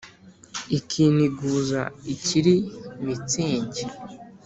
ikiniguza ikiri mitsingi